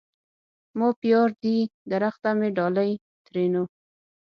ما پيار دي درخته مي ډالی؛ ترينو